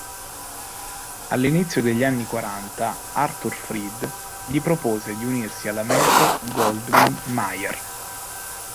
All'inizio degli anni quaranta, Arthur Freed gli propose di unirsi alla Metro Goldwyn Mayer.